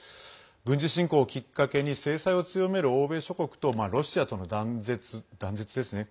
軍事侵攻をきっかけに制裁を強める欧米諸国とロシアとの断絶ですね。